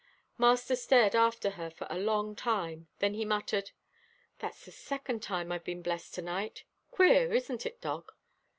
Master stared after her for a long time, then he muttered, "That's the second time I've been blessed to night. Queer, isn't it, dog?